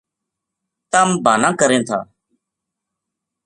تم بہانا کریں تھا